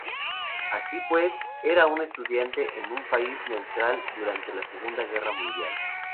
Así pues, era un estudiante en un país neutral durante la Segunda Guerra Mundial.